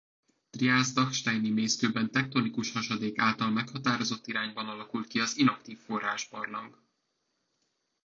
Triász dachsteini mészkőben tektonikus hasadék által meghatározott irányban alakult ki az inaktív forrásbarlang.